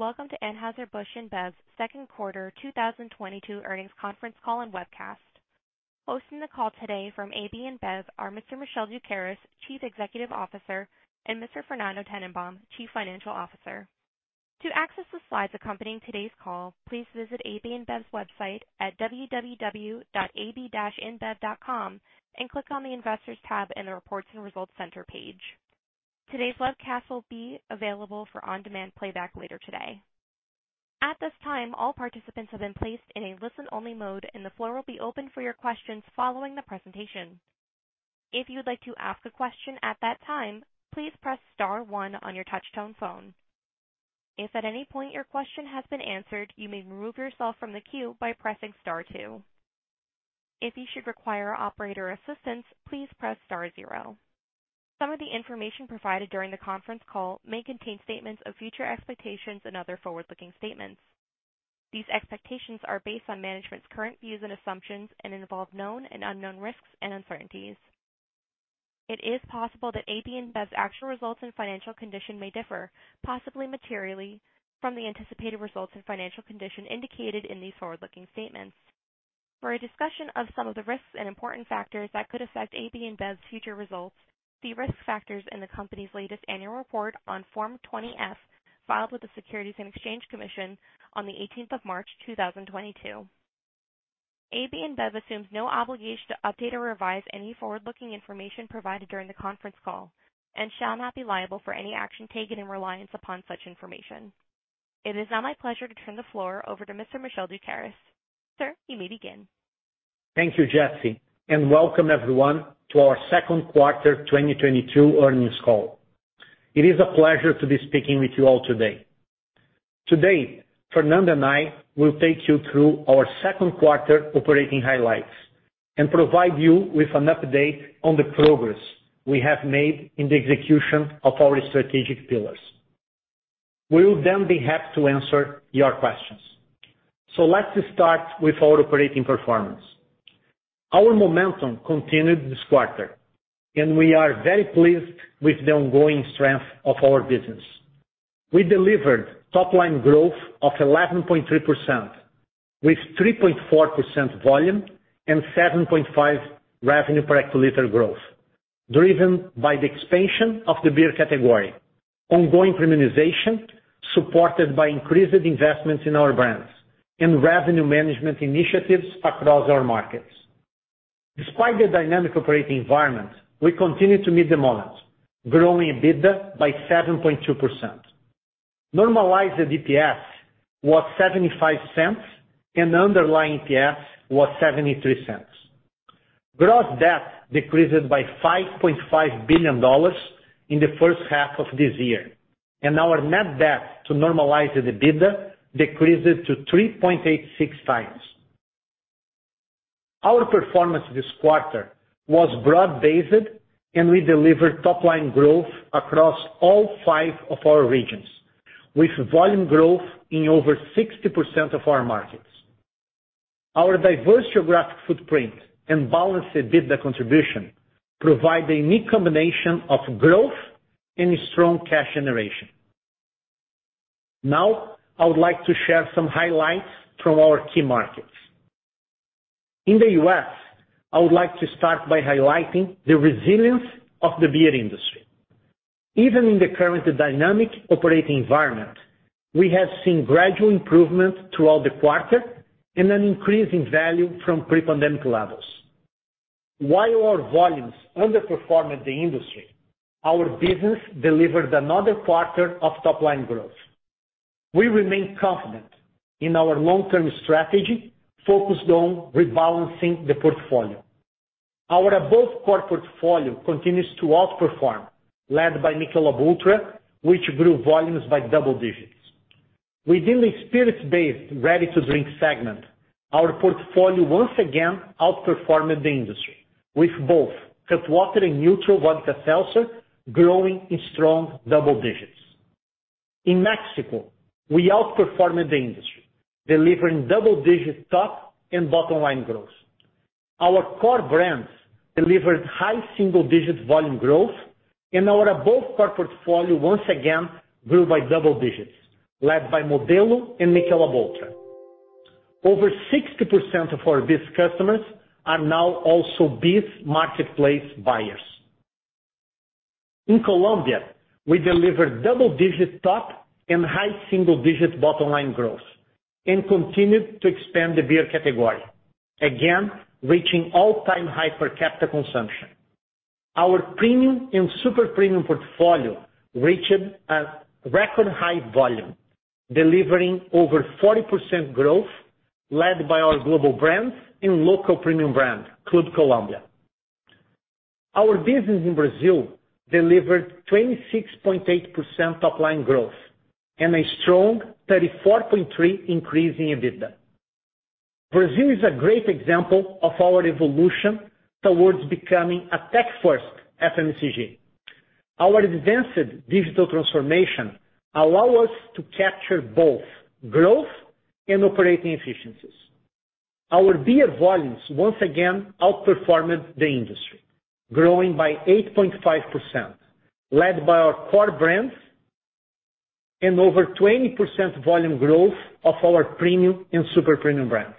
Welcome to Anheuser-Busch InBev's Q2 2022 earnings conference call and webcast. Hosting the call today from AB InBev are Mr. Michel Doukeris, Chief Executive Officer, and Mr. Fernando Tennenbaum, Chief Financial Officer. To access the slides accompanying today's call, please visit AB InBev's website at www.ab-inbev.com and click on the Investors tab in the Reports and Results Center page. Today's webcast will be available for on-demand playback later today. At this time, all participants have been placed in a listen-only mode, and the floor will be open for your questions following the presentation. If you'd like to ask a question at that time, please press star one on your touchtone phone. If at any point your question has been answered, you may remove yourself from the queue by pressing star two. If you should require operator assistance, please press star zero. Some of the information provided during the conference call may contain statements of future expectations and other forward-looking statements. These expectations are based on management's current views and assumptions and involve known and unknown risks and uncertainties. It is possible that AB InBev's actual results and financial condition may differ, possibly materially, from the anticipated results and financial condition indicated in these forward-looking statements. For a discussion of some of the risks and important factors that could affect AB InBev's future results, see risk factors in the company's latest annual report on Form 20-F, filed with the Securities and Exchange Commission on the eighteenth of March 2022. AB InBev assumes no obligation to update or revise any forward-looking information provided during the conference call and shall not be liable for any action taken in reliance upon such information. It is now my pleasure to turn the floor over to Mr. Michel Doukeris. Sir, you may begin. Thank you, Jesse, and welcome everyone to our Q2 2022 earnings call. It is a pleasure to be speaking with you all today. Today, Fernando and I will take you through our Q2 operating highlights and provide you with an update on the progress we have made in the execution of our strategic pillars. We will then be happy to answer your questions. Let's start with our operating performance. Our momentum continued this quarter, and we are very pleased with the ongoing strength of our business. We delivered top-line growth of 11.3%, with 3.4% volume and 7.5% revenue per hectoliter growth, driven by the expansion of the beer category, ongoing premiumization, supported by increased investments in our brands and revenue management initiatives across our markets. Despite the dynamic operating environment, we continue to meet the moment, growing EBITDA by 7.2%. Normalized EPS was $0.75 and underlying EPS was $0.73. Gross debt decreased by $5.5 billion in the first half of this year, and our net debt to normalized EBITDA decreased to 3.86x. Our performance this quarter was broad-based, and we delivered top-line growth across all five of our regions, with volume growth in over 60% of our markets. Our diverse geographic footprint and balanced EBITDA contribution provide a unique combination of growth and strong cash generation. Now, I would like to share some highlights from our key markets. In the US, I would like to start by highlighting the resilience of the beer industry. Even in the current dynamic operating environment, we have seen gradual improvement throughout the quarter and an increase in value from pre-pandemic levels. While our volumes underperformed the industry, our business delivered another quarter of top-line growth. We remain confident in our long-term strategy focused on rebalancing the portfolio. Our above core portfolio continues to outperform, led by Michelob ULTRA, which grew volumes by double digits. Within the spirits-based ready-to-drink segment, our portfolio once again outperformed the industry with both Cutwater and NÜTRL vodka seltzer growing in strong double digits. In Mexico, we outperformed the industry, delivering double-digit top and bottom-line growth. Our core brands delivered high single-digit volume growth, and our above core portfolio once again grew by double digits, led by Modelo and Michelob ULTRA. Over 60% of our BEES customers are now also BEES marketplace buyers. In Colombia, we delivered double-digit top and high single-digit bottom-line growth and continued to expand the beer category, again, reaching all-time high per capita consumption. Our premium and super premium portfolio reached a record high volume, delivering over 40% growth led by our global brands and local premium brand, Club Colombia. Our business in Brazil delivered 26.8% top-line growth and a strong 34.3% increase in EBITDA. Brazil is a great example of our evolution towards becoming a tech-first FMCG. Our advanced digital transformation allow us to capture both growth and operating efficiencies. Our beer volumes once again outperformed the industry, growing by 8.5%, led by our core brands and over 20% volume growth of our premium and super premium brands.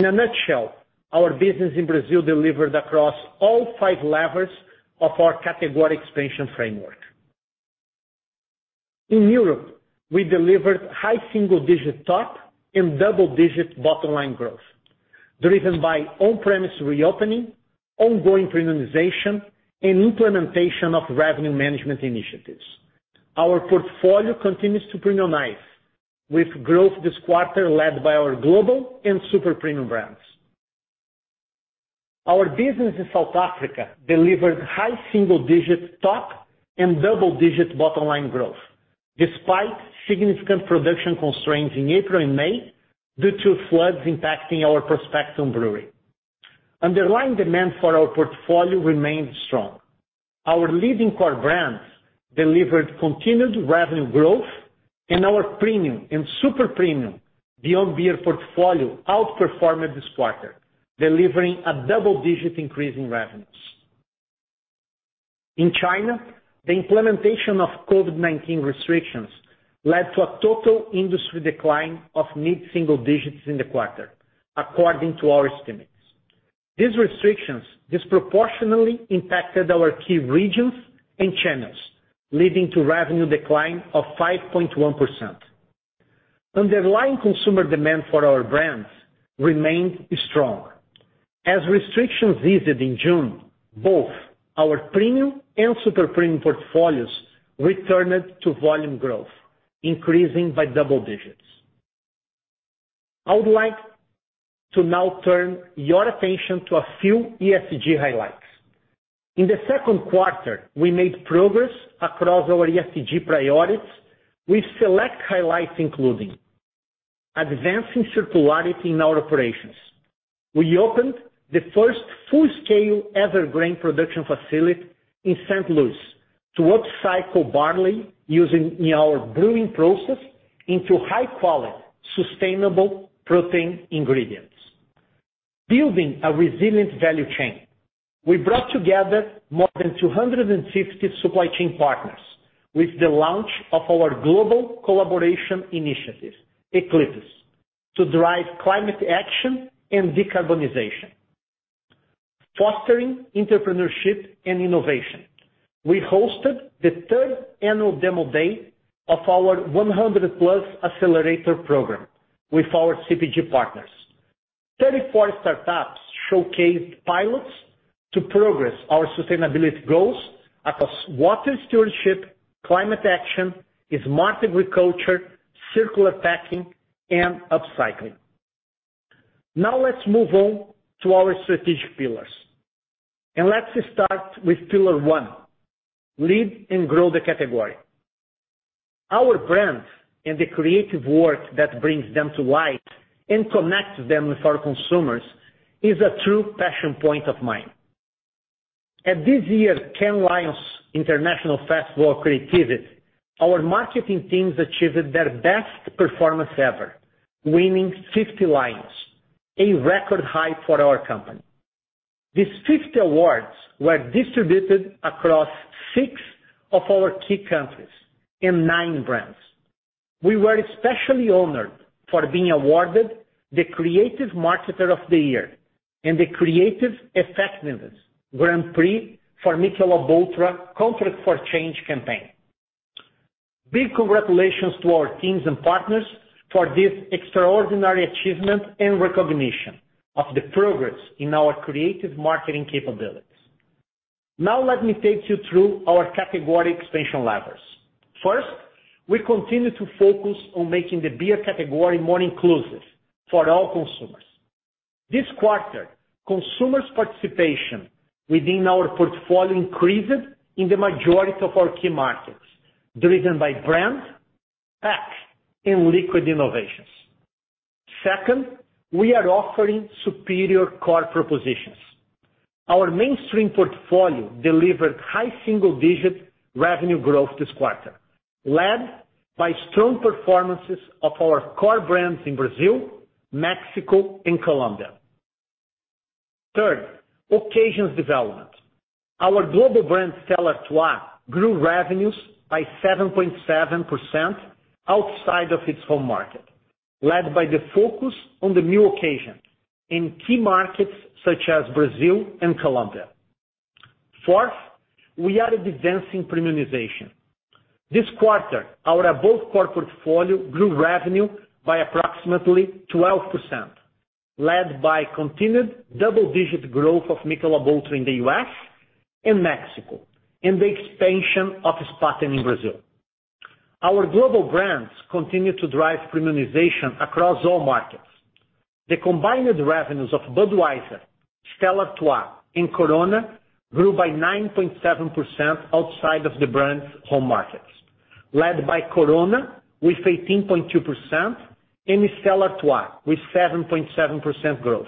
In a nutshell, our business in Brazil delivered across all five levers of our category expansion framework. In Europe, we delivered high single-digit top and double-digit bottom line growth, driven by on-premise reopening, ongoing premiumization, and implementation of revenue management initiatives. Our portfolio continues to premiumize, with growth this quarter led by our global and super premium brands. Our business in South Africa delivered high single-digit top and double-digit bottom line growth, despite significant production constraints in April and May due to floods impacting our Prospecton brewery. Underlying demand for our portfolio remained strong. Our leading core brands delivered continued revenue growth, and our premium and super premium beyond beer portfolio outperformed this quarter, delivering a double-digit increase in revenues. In China, the implementation of COVID-19 restrictions led to a total industry decline of mid-single digits in the quarter, according to our estimates. These restrictions disproportionately impacted our key regions and channels, leading to revenue decline of 5.1%. Underlying consumer demand for our brands remained strong. As restrictions eased in June, both our premium and super premium portfolios returned to volume growth, increasing by double digits. I would like to now turn your attention to a few ESG highlights. In the Q2, we made progress across our ESG priorities with select highlights, including advancing circularity in our operations. We opened the first full-scale EverGrain production facility in St. Louis to upcycle barley used in our brewing process into high-quality, sustainable protein ingredients. Building a resilient value chain. We brought together more than 250 supply chain partners with the launch of our global collaboration initiative, Eclipse, to drive climate action and decarbonization. Fostering entrepreneurship and innovation. We hosted the third annual demo day of our 100+ accelerator program with our CPG partners. 34 startups showcased pilots to progress our sustainability goals across water stewardship, climate action, smart agriculture, circular packaging, and upcycling. Now, let's move on to our strategic pillars. Let's start with pillar one: Lead and grow the category. Our brands and the creative work that brings them to life and connects them with our consumers is a true passion point of mine. At this year's Cannes Lions International Festival of Creativity, our marketing teams achieved their best performance ever, winning 50 Lions, a record high for our company. These 50 awards were distributed across six of our key countries and nine brands. We were especially honored for being awarded the Creative Marketer of the Year and the Creative Effectiveness Grand Prix for Michelob ULTRA Contract for Change campaign. Big congratulations to our teams and partners for this extraordinary achievement and recognition of the progress in our creative marketing capabilities. Now let me take you through our category expansion levers. First, we continue to focus on making the beer category more inclusive for all consumers. This quarter, consumers' participation within our portfolio increased in the majority of our key markets, driven by brand, pack, and liquid innovations. Second, we are offering superior core propositions. Our mainstream portfolio delivered high single-digit revenue growth this quarter, led by strong performances of our core brands in Brazil, Mexico, and Colombia. Third, occasions development. Our global brand Stella Artois grew revenues by 7.7% outside of its home market, led by the focus on the new occasion in key markets such as Brazil and Colombia. Fourth, we are advancing premiumization. This quarter, our above core portfolio grew revenue by approximately 12%, led by continued double-digit growth of Michelob ULTRA in the U.S. and Mexico and the expansion of Spaten in Brazil. Our global brands continue to drive premiumization across all markets. The combined revenues of Budweiser, Stella Artois, and Corona grew by 9.7% outside of the brand's home markets, led by Corona with 18.2% and Stella Artois with 7.7% growth.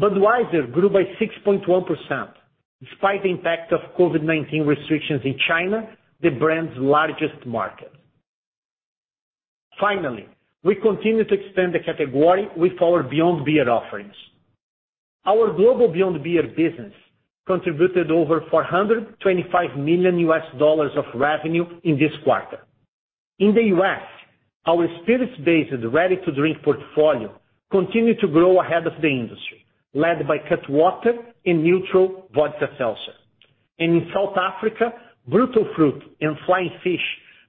Budweiser grew by 6.1% despite the impact of COVID-19 restrictions in China, the brand's largest market. Finally, we continue to extend the category with our Beyond Beer offerings. Our global Beyond Beer business contributed over $425 million of revenue in this quarter. In the U.S., our spirits-based ready-to-drink portfolio continued to grow ahead of the industry, led by Cutwater and NÜTRL Vodka Seltzer. In South Africa, Brutal Fruit and Flying Fish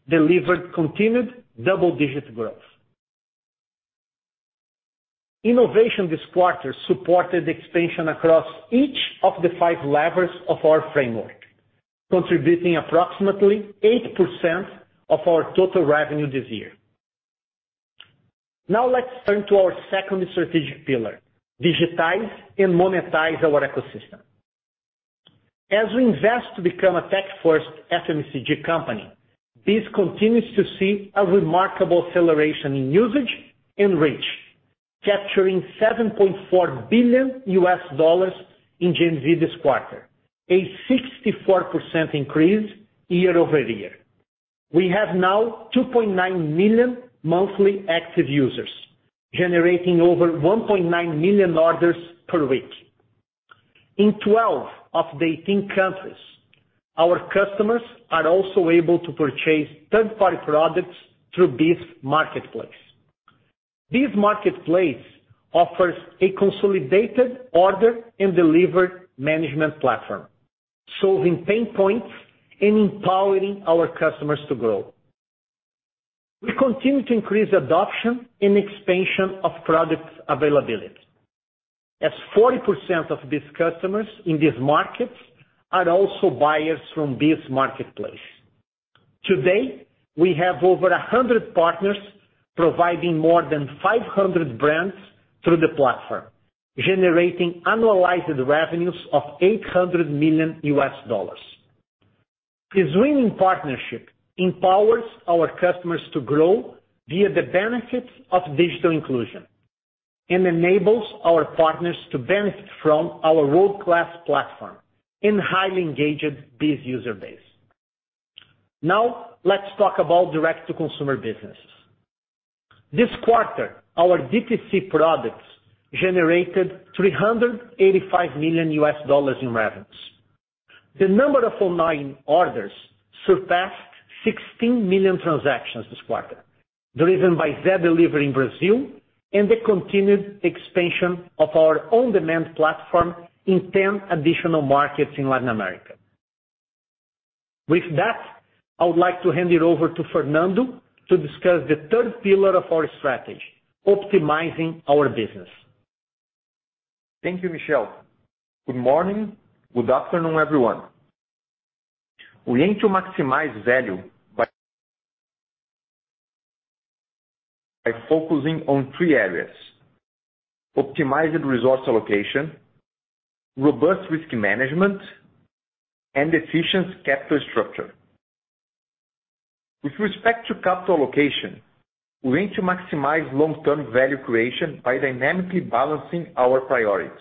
delivered continued double-digit growth. Innovation this quarter supported expansion across each of the five levers of our framework, contributing approximately 8% of our total revenue this year. Now let's turn to our second strategic pillar, digitize and monetize our ecosystem. As we invest to become a tech-first FMCG company, this continues to see a remarkable acceleration in usage and reach, capturing $7.4 billion in GMV this quarter, a 64% increase year-over-year. We have now 2.9 million monthly active users, generating over 1.9 million orders per week. In 12 of the 18 countries, our customers are also able to purchase third-party products through BEES's Marketplace. BEES's Marketplace offers a consolidated order and delivery management platform, solving pain points and empowering our customers to grow. We continue to increase adoption and expansion of product availability, as 40% of BEES's customers in these markets are also buyers from BEES's marketplace. Today, we have over 100 partners providing more than 500 brands through the platform, generating annualized revenues of $800 million. This winning partnership empowers our customers to grow via the benefits of digital inclusion and enables our partners to benefit from our world-class platform and highly engaged BEES's user base. Now let's talk about direct-to-consumer business. This quarter, our DTC products generated $385 million in revenues. The number of online orders surpassed 16 million transactions this quarter, driven by Zé Delivery in Brazil and the continued expansion of our on-demand platform in 10 additional markets in Latin America. With that, I would like to hand it over to Fernando to discuss the third pillar of our strategy, optimizing our business. Thank you, Michel. Good morning. Good afternoon, everyone. We aim to maximize value by focusing on three areas, optimized resource allocation, robust risk management, and efficient capital structure. With respect to capital allocation, we aim to maximize long-term value creation by dynamically balancing our priorities.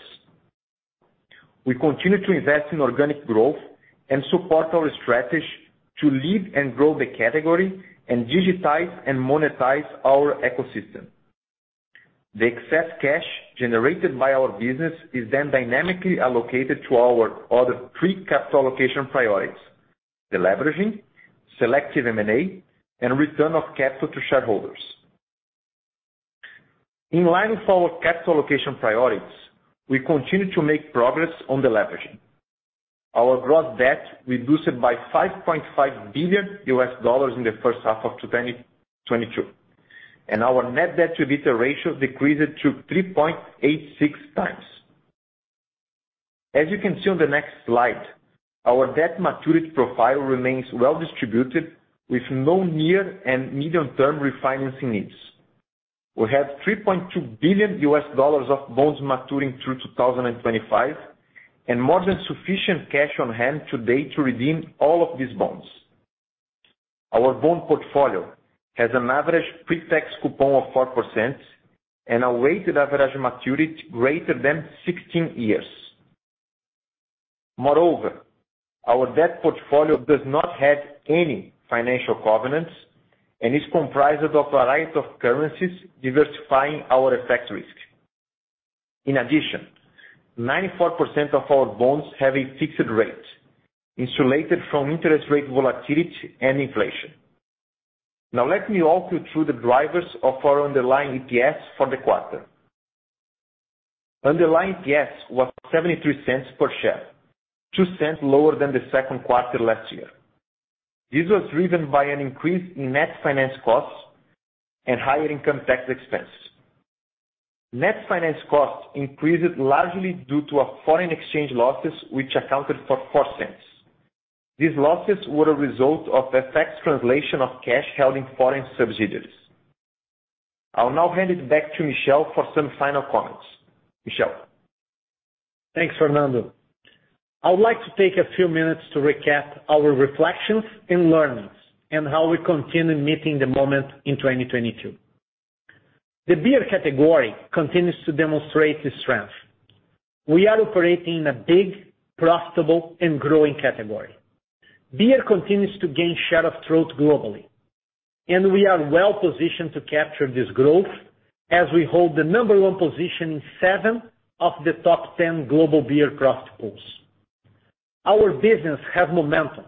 We continue to invest in organic growth and support our strategy to lead and grow the category and digitize and monetize our ecosystem. The excess cash generated by our business is then dynamically allocated to our other three capital allocation priorities, deleveraging, selective M&A, and return of capital to shareholders. In line with our capital allocation priorities, we continue to make progress on deleveraging. Our gross debt reduced by $5.5 billion in the H1 of 2022, and our net debt to EBITDA ratio decreased to 3.86x. As you can see on the next slide, our debt maturity profile remains well distributed, with no near- and medium-term refinancing needs. We have $3.2 billion of bonds maturing through 2025 and more than sufficient cash on hand today to redeem all of these bonds. Our bond portfolio has an average pre-tax coupon of 4% and a weighted average maturity greater than 16 years. Moreover, our debt portfolio does not have any financial covenants and is comprised of a variety of currencies diversifying our FX risk. In addition, 94% of our bonds have a fixed rate insulated from interest rate volatility and inflation. Now let me walk you through the drivers of our underlying EPS for the quarter. Underlying EPS was $0.73 per share, $0.02 lower than the Q2 last year. This was driven by an increase in net finance costs and higher income tax expense. Net finance costs increased largely due to our foreign exchange losses, which accounted for $0.04. These losses were a result of FX translation of cash held in foreign subsidiaries. I'll now hand it back to Michel for some final comments. Michel. Thanks, Fernando. I would like to take a few minutes to recap our reflections and learnings and how we continue meeting the moment in 2022. The beer category continues to demonstrate its strength. We are operating in a big, profitable, and growing category. Beer continues to gain share of throat globally, and we are well-positioned to capture this growth as we hold the number one position in seven of the top 10 global beer markets. Our business has momentum.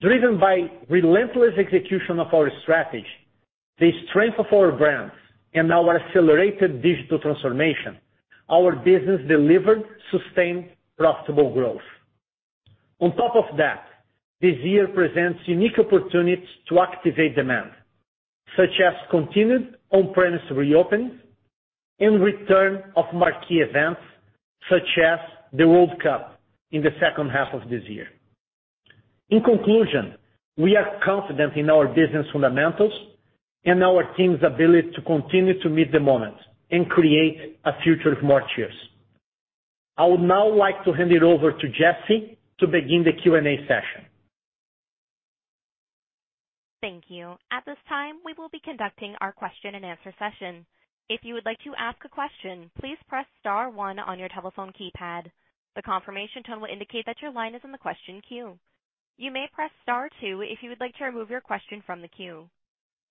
Driven by relentless execution of our strategy, the strength of our brands, and our accelerated digital transformation, our business delivered sustained profitable growth. On top of that, this year presents unique opportunities to activate demand, such as continued on-premise reopenings and return of marquee events such as the World Cup in the H2 of this year. In conclusion, we are confident in our business fundamentals and our team's ability to continue to meet the moment and create a future of more cheers. I would now like to hand it over to Jesse to begin the Q&A session. Thank you. At this time, we will be conducting our question-and-answer session. If you would like to ask a question, please press star one on your telephone keypad. The confirmation tone will indicate that your line is in the question queue. You may press star two if you would like to remove your question from the queue.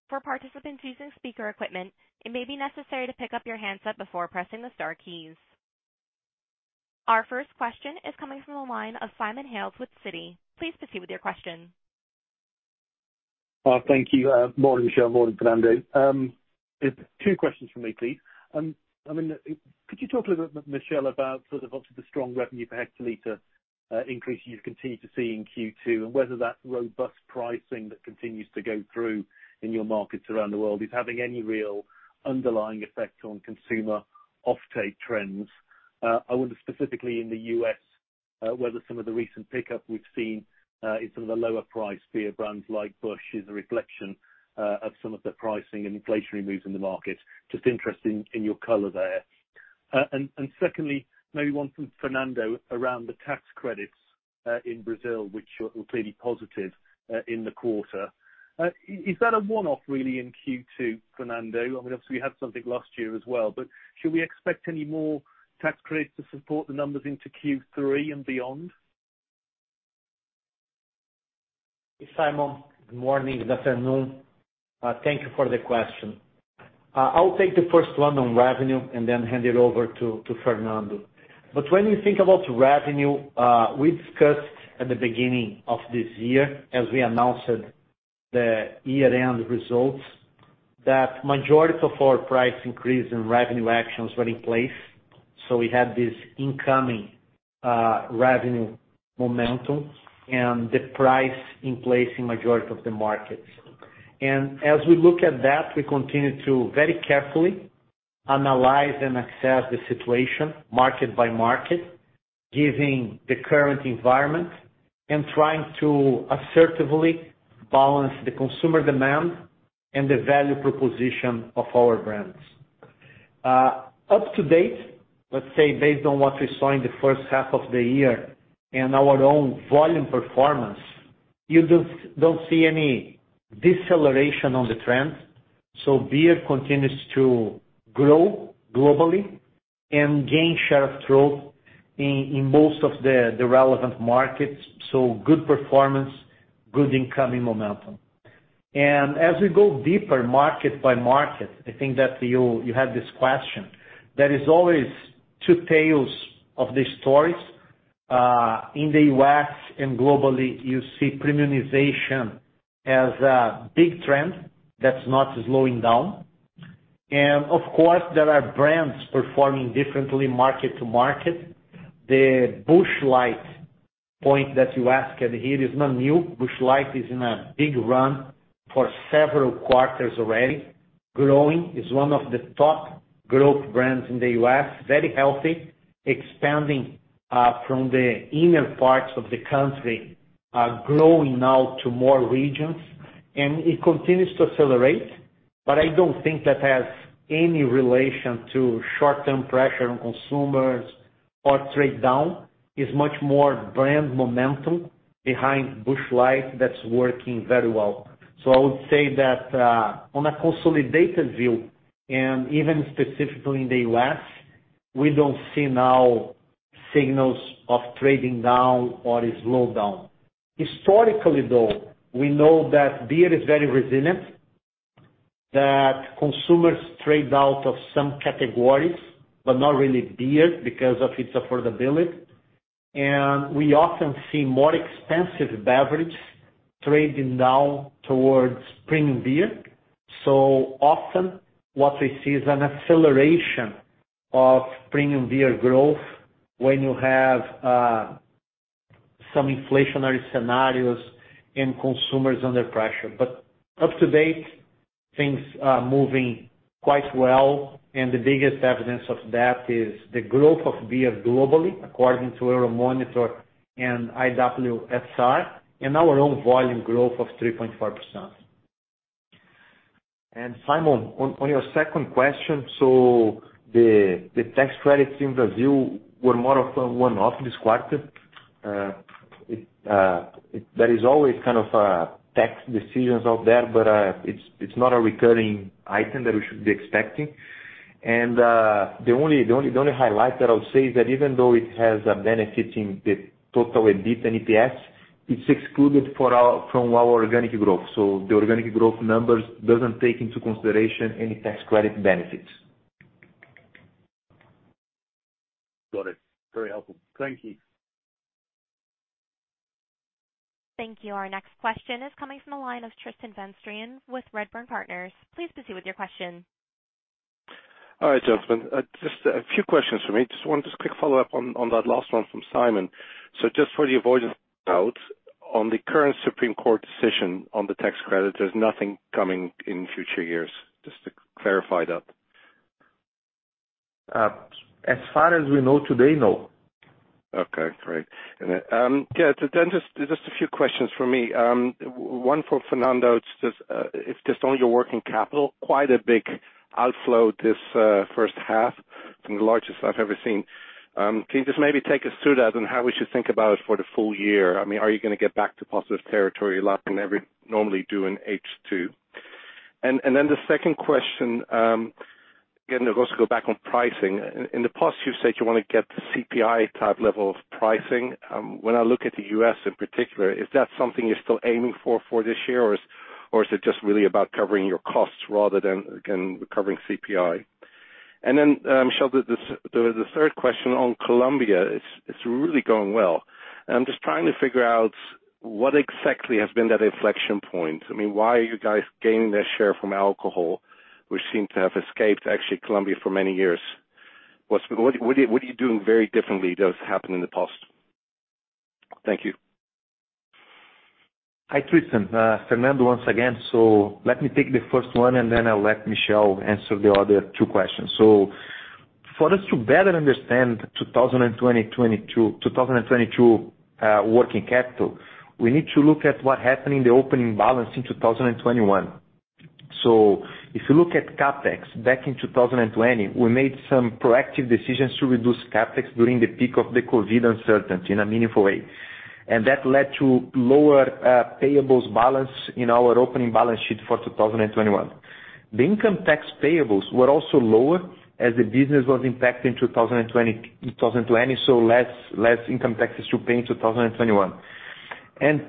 For participants using speaker equipment, it may be necessary to pick up your handset before pressing the star keys. Our first question is coming from the line of Simon Hales with Citi. Please proceed with your question. Thank you. Morning, Michel. Morning, Fernando. Two questions from me, please. I mean, could you talk a little bit, Michel, about sort of the strong revenue per hectoliter increase you continue to see in Q2, and whether that robust pricing that continues to go through in your markets around the world is having any real underlying effect on consumer offtake trends? I wonder specifically in the U.S., whether some of the recent pickup we've seen in some of the lower priced beer brands like Busch is a reflection of some of the pricing and inflationary moves in the market. Just interested in your color there. And secondly, maybe one from Fernando around the tax credits in Brazil, which were clearly positive in the quarter. Is that a one-off really in Q2, Fernando? I mean, obviously, we had something last year as well, but should we expect any more tax credits to support the numbers into Q3 and beyond? Simon, good morning, good afternoon. Thank you for the question. I'll take the first one on revenue and then hand it over to Fernando. When you think about revenue, we discussed at the beginning of this year, as we announced the year-end results, that majority of our price increase and revenue actions were in place. We had this incoming revenue momentum and the price in place in majority of the markets. As we look at that, we continue to very carefully analyze and assess the situation market by market, giving the current environment and trying to assertively balance the consumer demand and the value proposition of our brands. Up to date, let's say based on what we saw in the H1 of the year and our own volume performance, you don't see any deceleration on the trend. Beer continues to grow globally and gain share of throat in most of the relevant markets. Good performance, good incoming momentum. As we go deeper market by market, I think that you had this question. There is always two tales of the stories. In the U.S. and globally, you see premiumization as a big trend that's not slowing down. Of course, there are brands performing differently market to market. The Busch Light point that you asked, and it is not new. Busch Light is in a big run for several quarters already. Growing is one of the top growth brands in the U.S., very healthy, expanding from the inner parts of the country, growing now to more regions, and it continues to accelerate. I don't think that has any relation to short-term pressure on consumers or trade down. It's much more brand momentum behind Busch Light that's working very well. I would say that, on a consolidated view, and even specifically in the U.S., we don't see any signals of trading down or a slowdown. Historically, though, we know that beer is very resilient, that consumers trade out of some categories, but not really beer because of its affordability. We often see more expensive beverage trading down towards premium beer. Often what we see is an acceleration of premium beer growth when you have some inflationary scenarios and consumers under pressure. Up to date, things are moving quite well, and the biggest evidence of that is the growth of beer globally, according to Euromonitor and IWSR, and our own volume growth of 3.5%. Simon, on your second question. The tax credits in Brazil were more of a one-off this quarter. There is always kind of tax decisions out there, but it's not a recurring item that we should be expecting. The only highlight that I would say is that even though it has a benefit in the total EBITDA and EPS, it's excluded from our organic growth. The organic growth numbers doesn't take into consideration any tax credit benefits. Got it. Very helpful. Thank you. Thank you. Our next question is coming from the line of Tristan van Strien with Redburn Partners. Please proceed with your question. All right, gentlemen. Just a few questions for me. Just a quick follow-up on that last one from Simon. For the avoidance of doubt, on the current Supreme Court decision on the tax credit, there's nothing coming in future years, just to clarify that. As far as we know today, no. Okay, great. Yeah, just a few questions from me. One for Fernando Tennenbaum. It's just on your working capital, quite a big outflow this H1, one of the largest I've ever seen. Can you just maybe take us through that and how we should think about it for the full year? I mean, are you gonna get back to positive territory like we normally do in H2? The second question, again, it goes back on pricing. In the past, you've said you wanna get the CPI type level of pricing. When I look at the U.S. in particular, is that something you're still aiming for for this year, or is it just really about covering your costs rather than, again, covering CPI? uncertain, the third question on Colombia. It's really going well. I'm just trying to figure out what exactly has been that inflection point. I mean, why are you guys gaining that share from alcohol, which seemed to have escaped actually Colombia for many years? What are you doing very differently than was happening in the past? Thank you. Hi, Tristan. Fernando once again. Let me take the first one, and then I'll let Michel answer the other two questions. For us to better understand 2022 working capital, we need to look at what happened in the opening balance in 2021. If you look at CapEx back in 2020, we made some proactive decisions to reduce CapEx during the peak of the COVID uncertainty in a meaningful way. That led to lower payables balance in our opening balance sheet for 2021. The income tax payables were also lower as the business was impacted in 2020, so less income taxes to pay in 2021.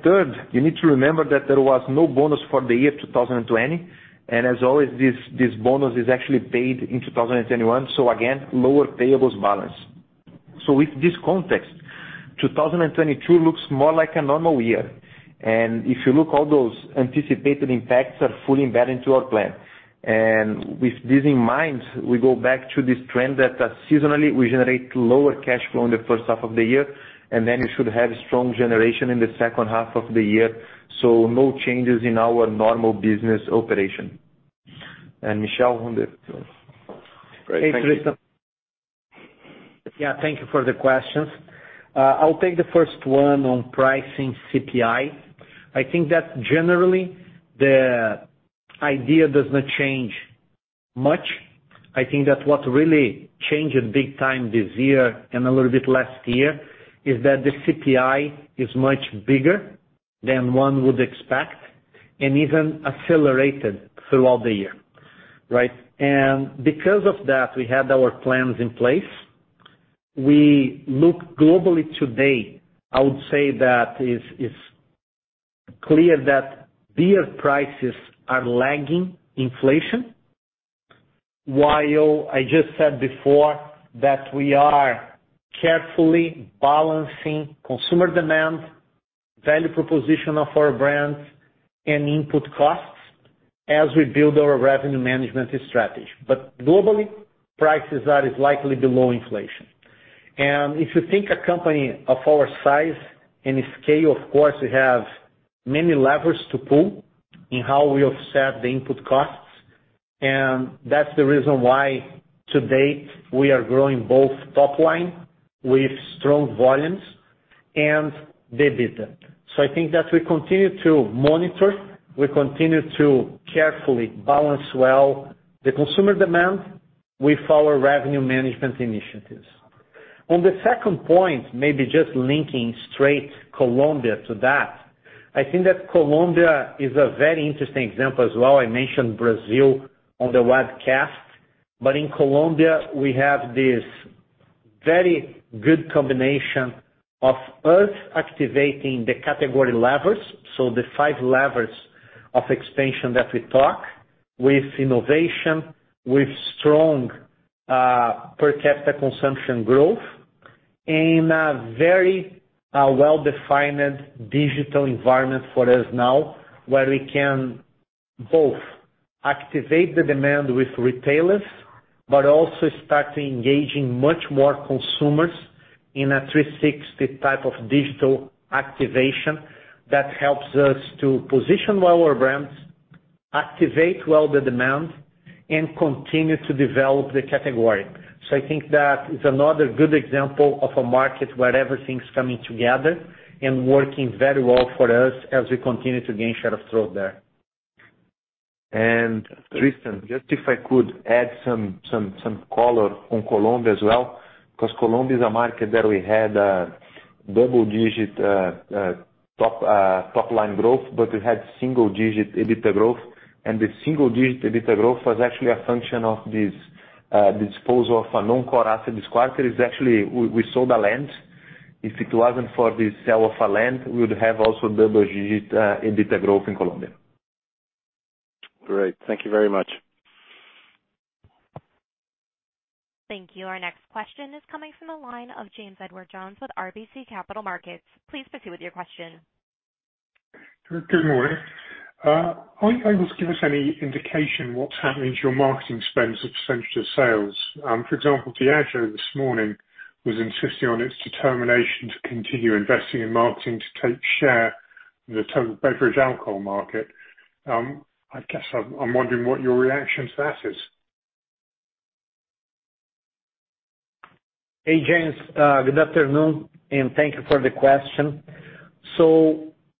Third, you need to remember that there was no bonus for the year 2020. As always, this bonus is actually paid in 2021, so again, lower payables balance. With this context, 2022 looks more like a normal year. If you look, all those anticipated impacts are fully embedded into our plan. With this in mind, we go back to this trend that, seasonally we generate lower cash flow in the H1 of the year, and then you should have strong generation in the H2 of the year. No changes in our normal business operation. Michel, on the rest. Great. Thank you. Hey, Tristan. Yeah, thank you for the questions. I'll take the first one on pricing CPI. I think that generally the idea does not change much. I think that what really changed big time this year and a little bit last year is that the CPI is much bigger than one would expect and even accelerated throughout the year, right? Because of that, we had our plans in place. We look globally today, I would say that it's clear that beer prices are lagging inflation. While I just said before that we are carefully balancing consumer demand, value proposition of our brands and input costs as we build our revenue management strategy. Globally, prices are actually below inflation. If you think a company of our size and scale, of course, we have many levers to pull in how we offset the input costs. That's the reason why to date, we are growing both top line with strong volumes and the EBITDA. I think that we continue to monitor, we continue to carefully balance well the consumer demand with our revenue management initiatives. On the second point, maybe just linking straight Colombia to that. I think that Colombia is a very interesting example as well. I mentioned Brazil on the webcast, but in Colombia, we have this very good combination of us activating the category levers. The five levers of expansion that we talk with innovation, with strong, per capita consumption growth in a very, well-defined digital environment for us now, where we can both activate the demand with retailers, but also start engaging much more consumers in a 360 type of digital activation that helps us to position well our brands, activate well the demand and continue to develop the category. I think that is another good example of a market where everything's coming together and working very well for us as we continue to gain share of throat there. Tristan, just if I could add some color on Colombia as well, because Colombia is a market that we had double-digit top-line growth, but it had single-digit EBITDA growth. The single-digit EBITDA growth was actually a function of this disposal of a non-core asset this quarter. It's actually we sold a land. If it wasn't for the sale of a land, we would have also double-digit EBITDA growth in Colombia. Great. Thank you very much. Thank you. Our next question is coming from the line of James Edwardes Jones with RBC Capital Markets. Please proceed with your question. Good morning. Are you able to give us any indication what's happening to your marketing spend as a percentage of sales? For example, Diageo this morning was insisting on its determination to continue investing in marketing to take share in the total beverage alcohol market. I guess I'm wondering what your reaction to that is. Hey, James, good afternoon, and thank you for the question.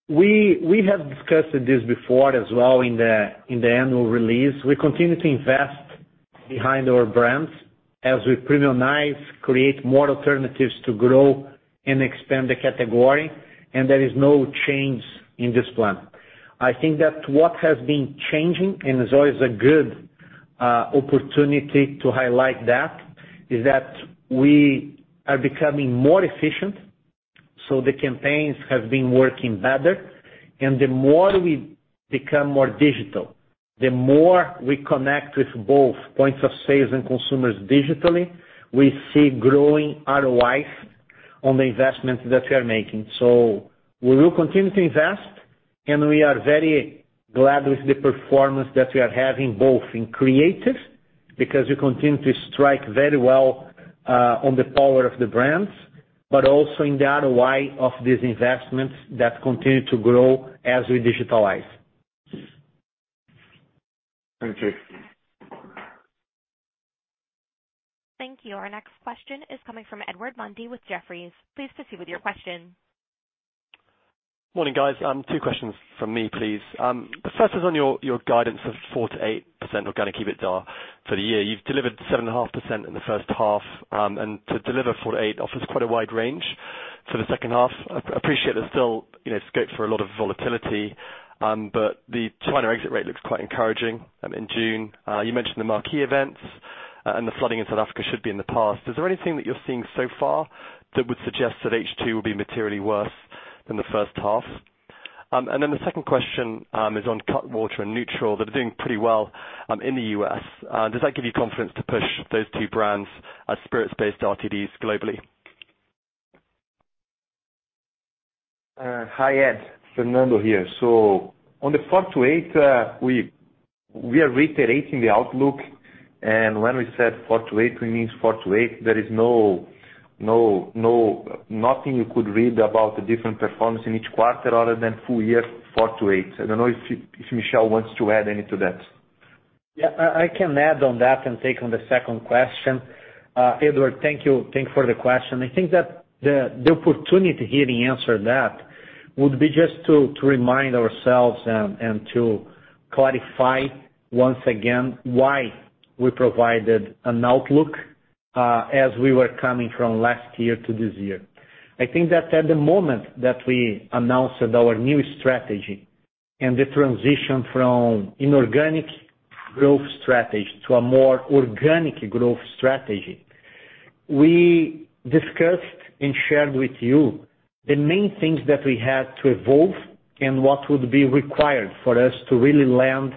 We have discussed this before as well in the annual release. We continue to invest behind our brands as we premiumize, create more alternatives to grow and expand the category. There is no change in this plan. I think that what has been changing, and it's always a good opportunity to highlight that, is that we are becoming more efficient. The campaigns have been working better. The more we become more digital, the more we connect with both points of sales and consumers digitally, we see growing ROIs on the investments that we are making. We will continue to invest, and we are very glad with the performance that we are having both in creative, because we continue to strike very well on the power of the brands, but also in the ROI of these investments that continue to grow as we digitalize. Thank you. Thank you. Our next question is coming from Edward Mundy with Jefferies. Please proceed with your question. Morning, guys. Two questions from me, please. The first is on your guidance of 4%-8% organic EBITDA for the year. You've delivered 7.5% in the H1. To deliver 4%-8% offers quite a wide range for the second half. I appreciate there's still, you know, scope for a lot of volatility, but the China exit rate looks quite encouraging in June. You mentioned the marquee events and the flooding in South Africa should be in the past. Is there anything that you're seeing so far that would suggest that H2 will be materially worse than the H1? The second question is on Cutwater and NÜTRL that are doing pretty well in the U.S. Does that give you confidence to push those two brands as spirits-based RTDs globally? Hi, Ed. Fernando here. On the 4%-8%, we are reiterating the outlook. When we said 4%-8%, we means 4%-8%. There is nothing you could read about the different performance in each quarter other than full year 4%-8%. I don't know if Michel wants to add any to that. Yeah, I can add on that and take on the second question. Edward, thank you. Thank you for the question. I think that the opportunity here in answering that would be just to remind ourselves and to clarify once again why we provided an outlook, as we were coming from last year to this year. I think that at the moment that we announced our new strategy and the transition from inorganic growth strategy to a more organic growth strategy, we discussed and shared with you the main things that we had to evolve and what would be required for us to really land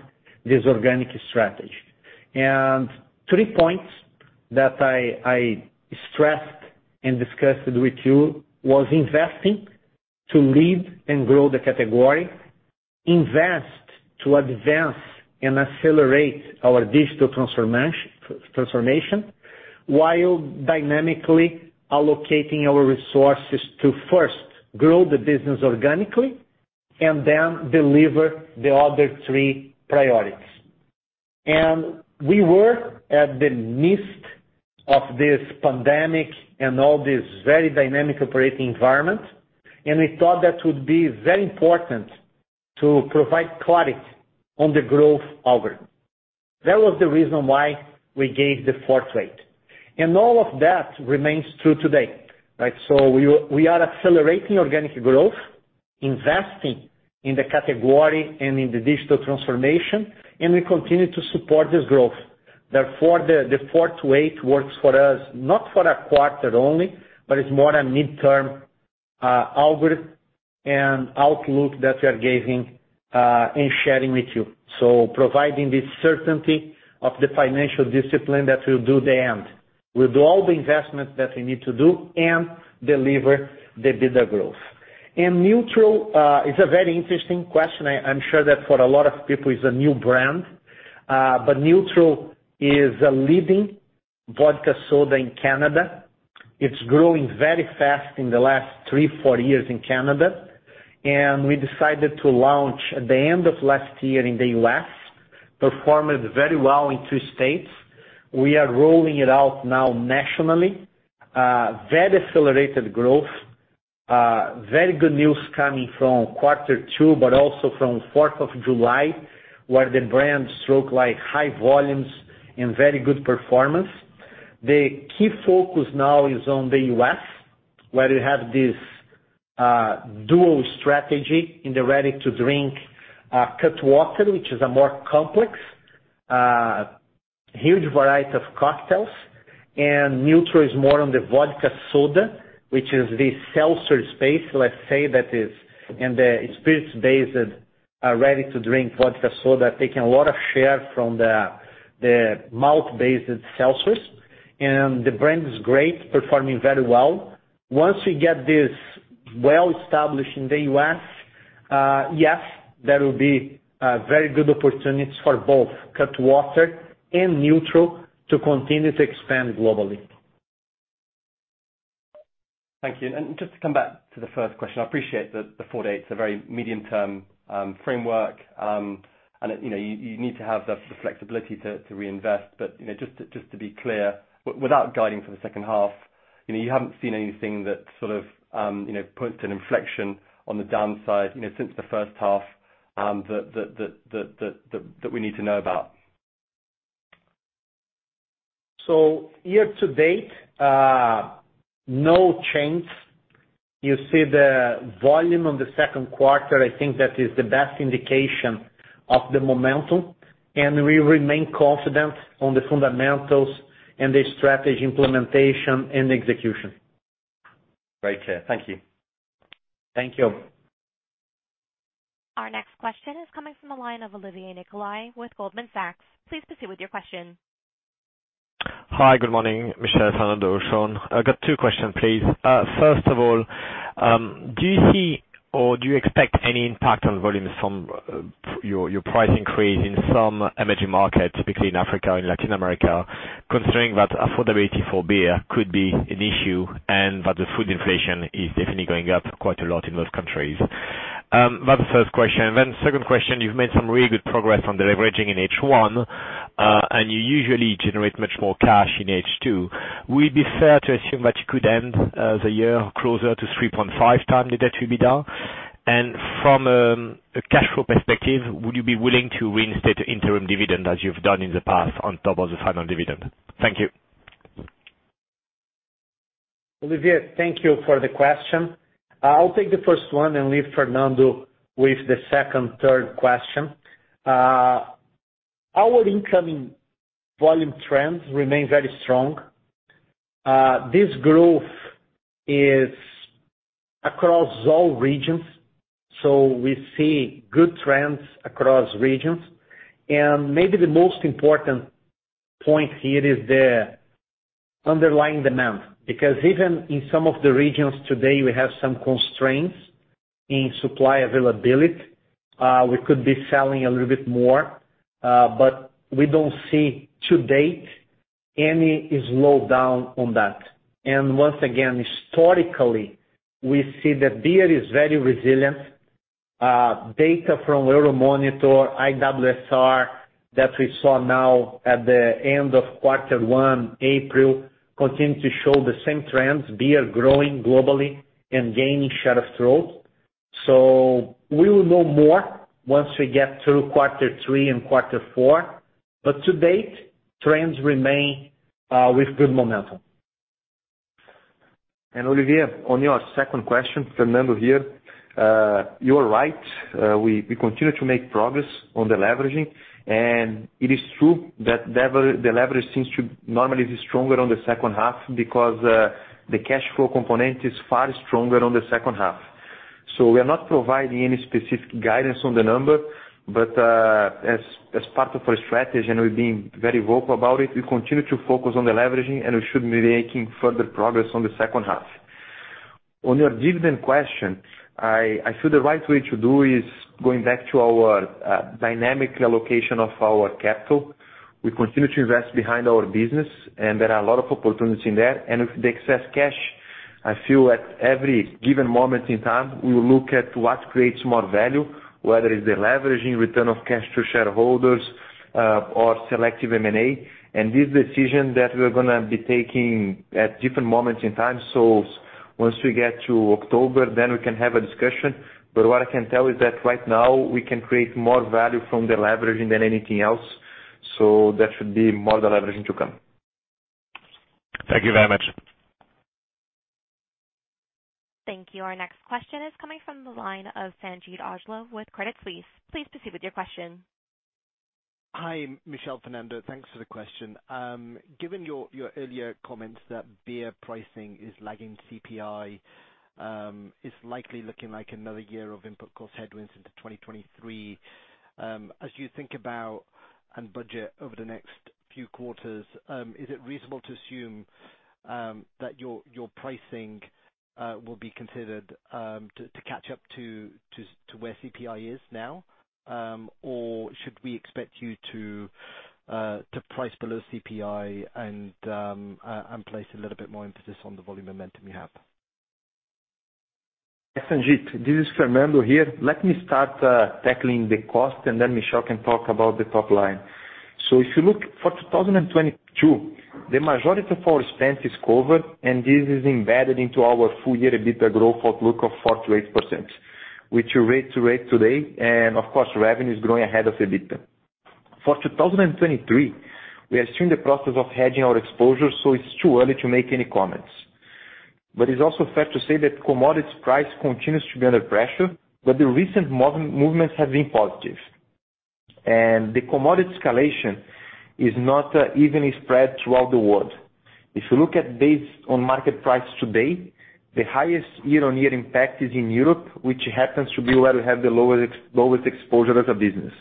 this organic strategy. Three points that I stressed and discussed with you was investing to lead and grow the category, invest to advance and accelerate our digital transformation while dynamically allocating our resources to first grow the business organically and then deliver the other three priorities. We were at the midst of this pandemic and all this very dynamic operating environment, and we thought that would be very important to provide clarity on the growth algorithm. That was the reason why we gave the 4%-8%. All of that remains true today, right? We are accelerating organic growth, investing in the category and in the digital transformation, and we continue to support this growth. Therefore, the 4%-8% works for us, not for a quarter only, but it's more a midterm algorithm and outlook that we are giving and sharing with you. Providing this certainty of the financial discipline that will do the end. We'll do all the investments that we need to do and deliver the EBITDA growth. NÜTRL, it's a very interesting question. I'm sure that for a lot of people it's a new brand. But NÜTRL is a leading vodka soda in Canada. It's growing very fast in the last three-four years in Canada, and we decided to launch at the end of last year in the U.S. Performed very well in two states. We are rolling it out now nationally. Very accelerated growth. Very good news coming from quarter two, but also from Fourth of July, where the brand strong, like high volumes and very good performance. The key focus now is on the U.S., where we have this dual strategy in the ready to drink, Cutwater, which is a more complex, huge variety of cocktails. NÜTRL is more on the vodka soda, which is the seltzer space, let's say that is in the spirits-based ready to drink vodka soda, taking a lot of share from the malt-based seltzers. The brand is great, performing very well. Once we get this well established in the U.S., yes, there will be very good opportunities for both Cutwater and NÜTRL to continue to expand globally. Thank you. Just to come back to the first question, I appreciate that the forward rates are very medium-term framework. You know, you need to have the flexibility to reinvest. But you know, just to be clear, without guiding for the H2, you know, you haven't seen anything that sort of you know points to an inflection on the downside, you know, since the H1, that we need to know about? Year to date, no change. You see the volume on the Q2, I think that is the best indication of the momentum, and we remain confident on the fundamentals and the strategy implementation and execution. Great to hear. Thank you. Thank you. Our next question is coming from the line of Olivier Nicolai with Goldman Sachs. Please proceed with your question. Hi. Good morning, Michel, Fernando, Shaun. I got two questions, please. First of all, do you see or do you expect any impact on volumes from your price increase in some emerging markets, typically in Africa and Latin America, considering that affordability for beer could be an issue and that the food inflation is definitely going up quite a lot in those countries? That's the first question. Second question, you've made some really good progress on the leveraging in H1, and you usually generate much more cash in H2. Would it be fair to assume that you could end the year closer to 3.5x the net EBITDA? And from a cash flow perspective, would you be willing to reinstate the interim dividend as you've done in the past on top of the final dividend? Thank you. Olivier, thank you for the question. I'll take the first one and leave Fernando with the second, third question. Our incoming volume trends remain very strong. This growth is across all regions, so we see good trends across regions. Maybe the most important point here is the underlying demand, because even in some of the regions today, we have some constraints in supply availability. We could be selling a little bit more, but we don't see to date any slowdown on that. Once again, historically, we see that beer is very resilient. Data from Euromonitor, IWSR that we saw now at the end of quarter one, April, continue to show the same trends, beer growing globally and gaining share of throat. We will know more once we get through quarter three and quarter four. To date, trends remain with good momentum. Olivier, on your second question, Fernando Tennenbaum here. You are right. We continue to make progress on the leveraging. It is true that the leverage seems to normally be stronger on the H2 because the cash flow component is far stronger on the second half. We are not providing any specific guidance on the number. As part of our strategy, and we're being very vocal about it, we continue to focus on the leveraging, and we should be making further progress on the H2. On your dividend question, I feel the right way to do is going back to our dynamic allocation of our capital. We continue to invest behind our business, and there are a lot of opportunities in there. With the excess cash, I feel at every given moment in time, we will look at what creates more value, whether it's the leveraging return of cash to shareholders, or selective M&A. This decision that we're gonna be taking at different moments in time. Once we get to October, then we can have a discussion. What I can tell is that right now, we can create more value from the leveraging than anything else. That should be more of the leveraging to come. Thank you very much. Thank you. Our next question is coming from the line of Sanjeet Aujla with Credit Suisse. Please proceed with your question. Hi, Michel, Fernando. Thanks for the question. Given your earlier comments that beer pricing is lagging CPI, it's likely looking like another year of input cost headwinds into 2023. As you think about and budget over the next few quarters, is it reasonable to assume that your pricing will be considered to catch up to where CPI is now? Or should we expect you to To price below CPI and place a little bit more emphasis on the volume momentum you have. Yes, Sanjeet. This is Fernando here. Let me start tackling the cost, and then Michel can talk about the top line. If you look for 2022, the majority of our expense is covered, and this is embedded into our full year EBITDA growth outlook of 4%-8%, which we reiterated today. Of course, revenue is growing ahead of EBITDA. For 2023, we are still in the process of hedging our exposure, so it's too early to make any comments. It's also fair to say that commodity prices continue to be under pressure, but the recent month-over-month movements have been positive. The commodity escalation is not evenly spread throughout the world. If you look at based on market price today, the highest year-on-year impact is in Europe, which happens to be where we have the lowest exposure as a business.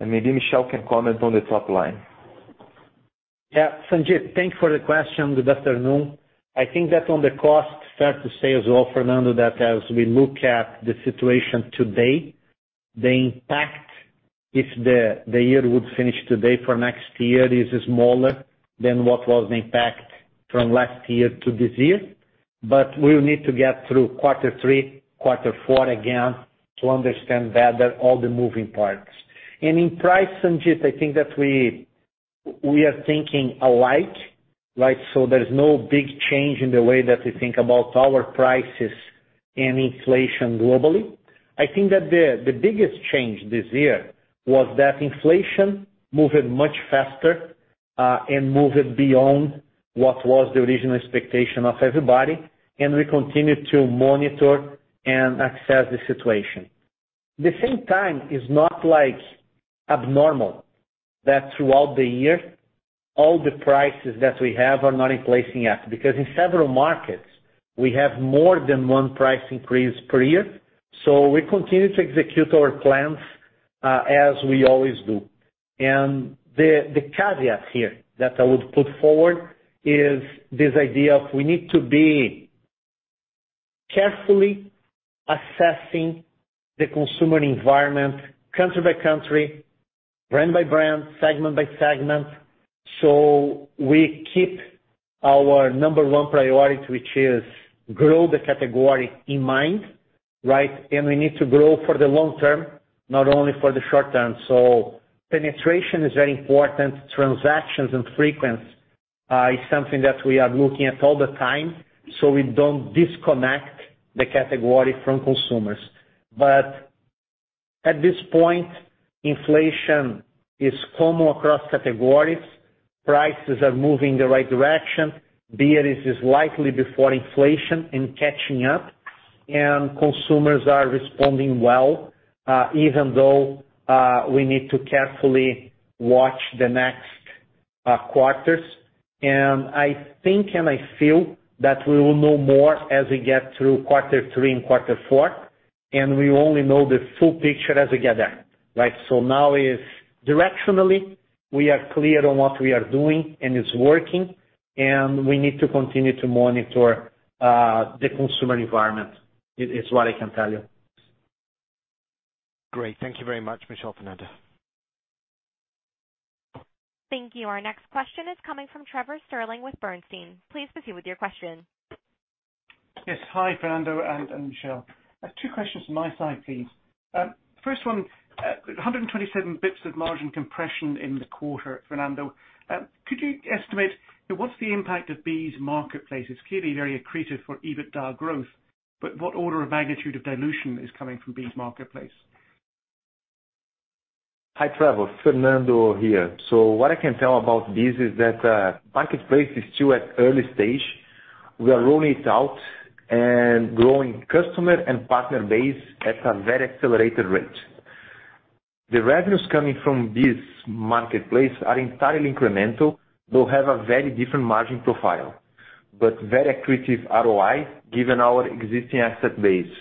Maybe Michel can comment on the top line. Sanjeet, thank you for the question. Good afternoon. I think that on the cost, fair to say as well, Fernando, that as we look at the situation today, the impact, if the year would finish today for next year is smaller than what was the impact from last year to this year. We'll need to get through quarter three, quarter four, again, to understand better all the moving parts. In price, Sanjeet, I think that we are thinking alike, right? There's no big change in the way that we think about our prices and inflation globally. I think that the biggest change this year was that inflation moved much faster, and moved beyond what was the original expectation of everybody, and we continue to monitor and assess the situation. the same time, it's not abnormal that throughout the year, all the prices that we have are not in place yet. In several markets, we have more than one price increase per year. We continue to execute our plans as we always do. The caveat here that I would put forward is this idea that we need to be carefully assessing the consumer environment country by country, brand by brand, segment by segment. We keep our number one priority, which is to grow the category, in mind, right? We need to grow for the long term, not only for the short term. Penetration is very important. Transactions and frequency is something that we are looking at all the time, so we don't disconnect the category from consumers. At this point, inflation is common across categories. Prices are moving in the right direction. Beer is likely beating inflation and catching up, and consumers are responding well, even though we need to carefully watch the next quarters. I think and I feel that we will know more as we get through quarter three and quarter four, and we will only know the full picture as we get there, right? Now it's directionally we are clear on what we are doing, and it's working, and we need to continue to monitor the consumer environment. It is what I can tell you. Great. Thank you very much, Michel and Fernando. Thank you. Our next question is coming from Trevor Stirling with Bernstein. Please proceed with your question. Yes. Hi, Fernando and Michel. I have two questions on my side, please. First one, 127 basis points of margin compression in the quarter, Fernando. Could you estimate what's the impact of BEES Marketplace? It's clearly very accretive for EBITDA growth, but what order of magnitude of dilution is coming from BEES Marketplace? Hi, Trevor. Fernando here. What I can tell about this is that marketplace is still at early stage. We are rolling it out and growing customer and partner base at a very accelerated rate. The revenues coming from this marketplace are entirely incremental. We'll have a very different margin profile, but very accretive ROI, given our existing asset base.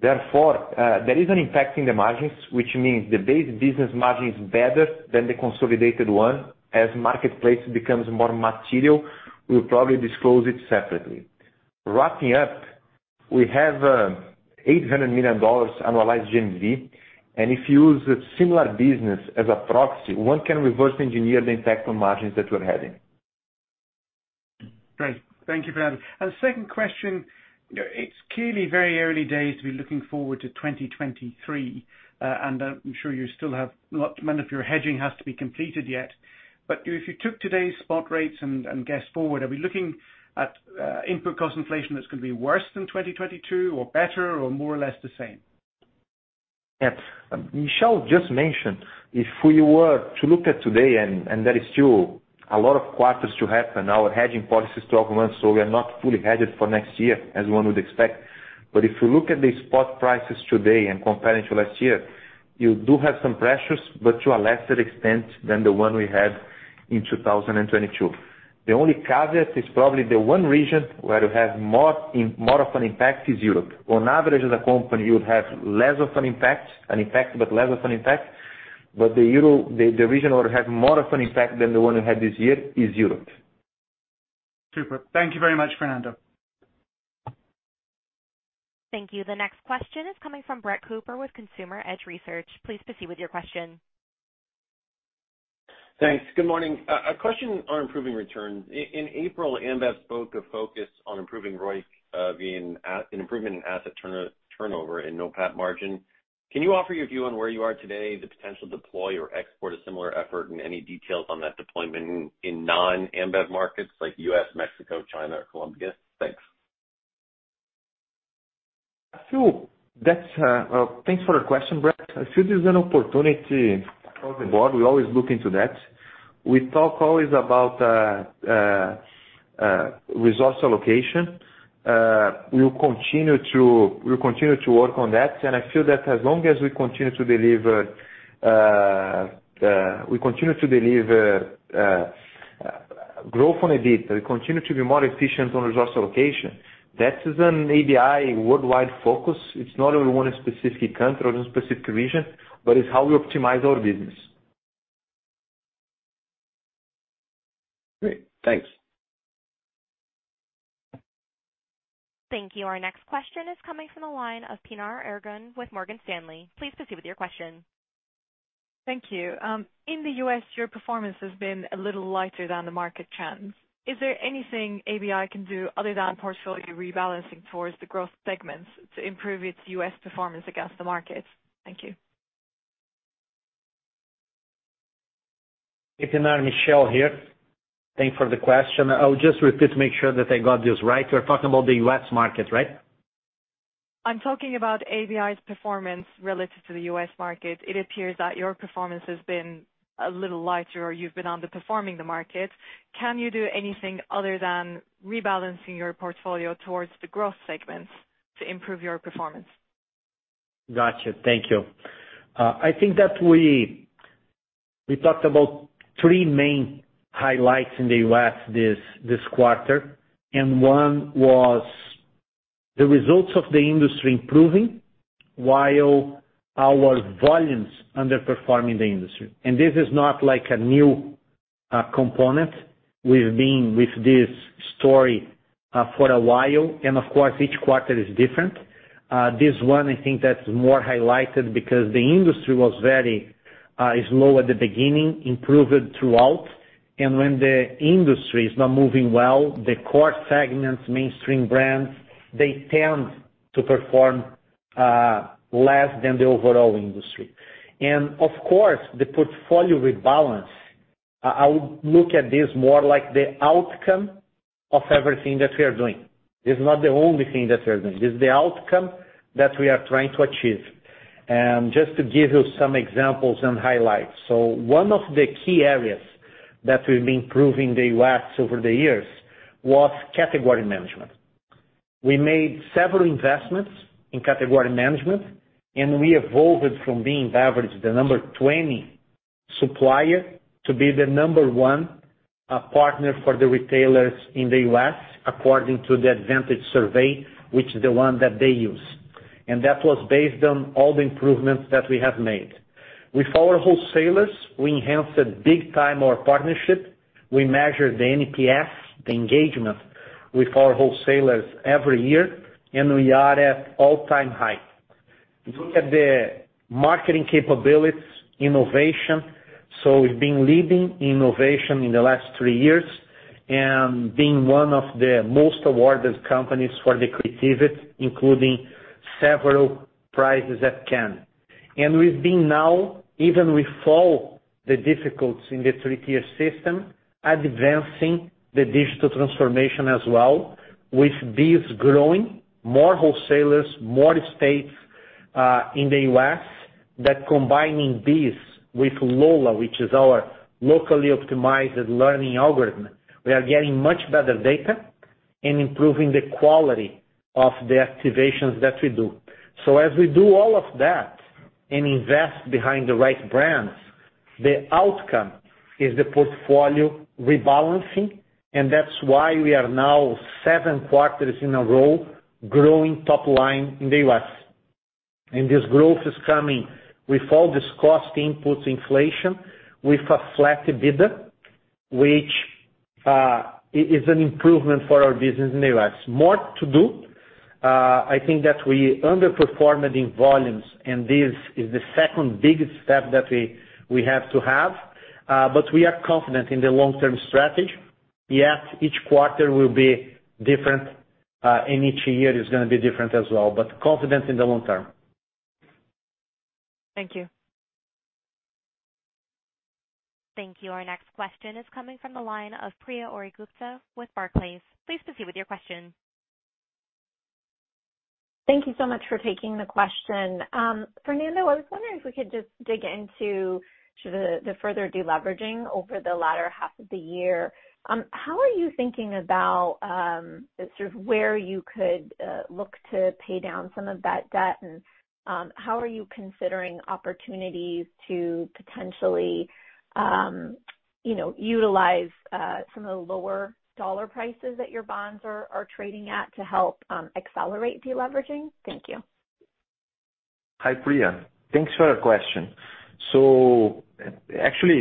Therefore, there is an impact in the margins, which means the base business margin is better than the consolidated one. As marketplace becomes more material, we'll probably disclose it separately. Wrapping up, we have $800 million annualized GMV, and if you use a similar business as a proxy, one can reverse engineer the impact on margins that we're having. Great. Thank you, Fernando. Second question, you know, it's clearly very early days to be looking forward to 2023. I'm sure you still have many of your hedging has to be completed yet. But if you took today's spot rates and guessed forward, are we looking at input cost inflation that's gonna be worse than 2022 or better or more or less the same? Yes. Michel just mentioned if we were to look at today, and there is still a lot of quarters to happen, our hedging policy is 12 months, so we are not fully hedged for next year, as one would expect. If you look at the spot prices today and comparing to last year, you do have some pressures, but to a lesser extent than the one we had in 2022. The only caveat is probably the one region where you have more of an impact is Europe. On average as a company, you would have less of an impact, but less of an impact. The region will have more of an impact than the one we had this year is Europe. Super. Thank you very much, Fernando. Thank you. The next question is coming from Brett Cooper with Consumer Edge Research. Please proceed with your question. Thanks. Good morning. A question on improving returns. In April, Ambev spoke of focus on improving ROIC, being an improvement in asset turnover and NOPAT margin. Can you offer your view on where you are today, the potential to deploy or export a similar effort, and any details on that deployment in non-Ambev markets like U.S., Mexico, China or Colombia? Thanks. Well, thanks for the question, Brett. I feel there's an opportunity across the board. We always look into that. We talk always about resource allocation. We'll continue to work on that. I feel that as long as we continue to deliver growth on EBITDA, we continue to be more efficient on resource allocation. That is an ABI worldwide focus. It's not only one specific country or one specific region, but it's how we optimize our business. Great. Thanks. Thank you. Our next question is coming from the line of Pinar Ergun with Morgan Stanley. Please proceed with your question. Thank you. In the U.S., your performance has been a little lighter than the market trends. Is there anything ABI can do other than portfolio rebalancing towards the growth segments to improve its U.S. performance against the market? Thank you. Hey, Pinar. Michel here. Thank you for the question. I'll just repeat to make sure that I got this right. You're talking about the U.S. market, right? I'm talking about ABI's performance relative to the U.S. market. It appears that your performance has been a little lighter or you've been underperforming the market. Can you do anything other than rebalancing your portfolio towards the growth segments to improve your performance? Gotcha. Thank you. I think that we talked about three main highlights in the U.S. this quarter, and one was the results of the industry improving while our volumes underperforming the industry. This is not like a new component. We've been with this story for a while, and of course, each quarter is different. This one, I think that's more highlighted because the industry was very low at the beginning, improved throughout. When the industry is not moving well, the core segments, mainstream brands, they tend to perform less than the overall industry. Of course, the portfolio rebalance, I would look at this more like the outcome of everything that we are doing. This is not the only thing that we are doing. This is the outcome that we are trying to achieve. Just to give you some examples and highlights. One of the key areas that we've been improving in the U.S. over the years was category management. We made several investments in category management, and we evolved from being average, the number 20 supplier to be the number one partner for the retailers in the U.S., according to the Advantage Survey, which is the one that they use. That was based on all the improvements that we have made. With our wholesalers, we enhanced big time our partnership. We measure the NPS, the engagement with our wholesalers every year, and we are at all-time high. If you look at the marketing capabilities, innovation, we've been leading innovation in the last three years and being one of the most awarded companies for the creativity, including several prizes at Cannes. We've been now, even with all the difficulties in the three-tier system, advancing the digital transformation as well, with this growing more wholesalers, more states, in the U.S. that combining this with LOLA, which is our locally optimized learning algorithm. We are getting much better data and improving the quality of the activations that we do. As we do all of that and invest behind the right brands, the outcome is the portfolio rebalancing, and that's why we are now seven quarters in a row growing top line in the U.S. This growth is coming with all this cost inputs inflation with a flat EBITDA, which is an improvement for our business in the U.S. More to do. I think that we underperformed in volumes, and this is the second biggest step that we have to have. We are confident in the long-term strategy. Yes, each quarter will be different, and each year is gonna be different as well, but confident in the long term. Thank you. Thank you. Our next question is coming from the line of Priyanka Gupta with Barclays. Please proceed with your question. Thank you so much for taking the question. Fernando, I was wondering if we could just dig into sort of the further deleveraging over the latter half of the year. How are you thinking about sort of where you could look to pay down some of that debt and how are you considering opportunities to potentially you know utilize some of the lower dollar prices that your bonds are trading at to help accelerate deleveraging? Thank you. Hi, Priyan. Thanks for your question. Actually,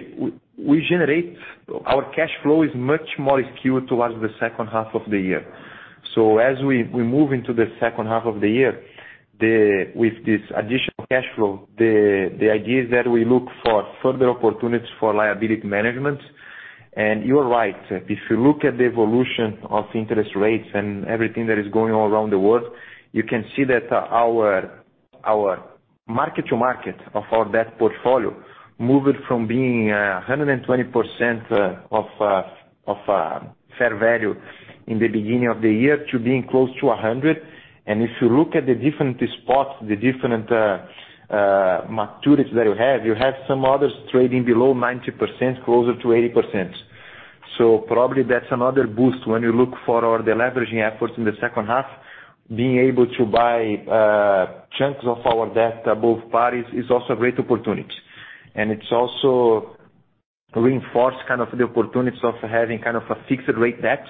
our cash flow is much more skewed towards the H2 of the year. As we move into the H2 of the year, with this additional cash flow, the idea is that we look for further opportunities for liability management. You are right, if you look at the evolution of interest rates and everything that is going on around the world, you can see that our mark-to-market of our debt portfolio moved from being 120% of fair value in the beginning of the year to being close to 100%. If you look at the different spots, the different maturities that you have, you have some others trading below 90%, closer to 80%. Probably that's another boost when you look for our deleveraging efforts in the second half, being able to buy chunks of our debt above par is also a great opportunity. It's also reinforce kind of the opportunities of having kind of a fixed rate debt